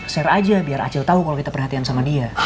share aja biar acil tahu kalau kita perhatian sama dia